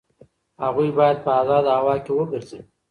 هغوی باید په ازاده هوا کې وګرځي.